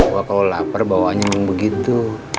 gua kalau lapar bawaannya emang begitu